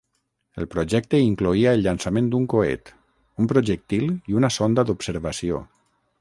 El projecte incloïa el llançament d'un coet, un projectil i una sonda d'observació.